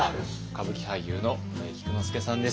歌舞伎俳優の尾上菊之助さんです。